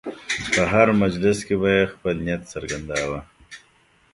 په هر مجلس کې به یې خپل نیت څرګنداوه.